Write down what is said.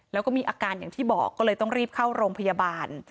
แล้วก็มีอาการอย่างที่บอกก็เลยต้องรีบเข้าโรงพยาบาล